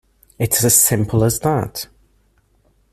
It's as simple as that.